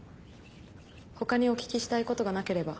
他にお聞きしたいことがなければ。